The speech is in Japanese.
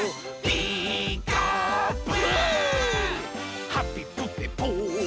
「ピーカー」「ブ！」